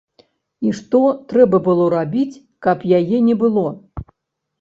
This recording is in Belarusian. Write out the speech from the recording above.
І што трэба было рабіць, каб яе не было?